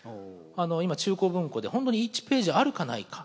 今中公文庫で本当に１ページあるかないか。